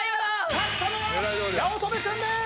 勝ったのは八乙女君でーす！